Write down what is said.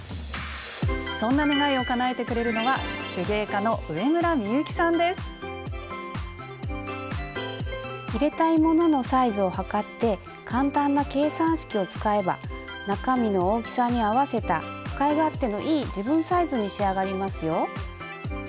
そんな願いをかなえてくれるのは入れたいもののサイズを測って簡単な計算式を使えば中身の大きさに合わせた使い勝手のいい自分サイズに仕上がりますよ。